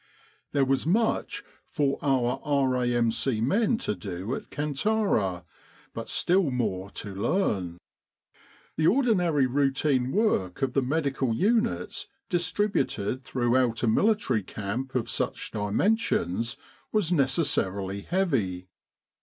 There was much for our R.A.M.C. men to do at Kantara, but still more to learn. The ordinary routine work of the medical units distributed through out a military camp of such dimensions was neces sarily heavy.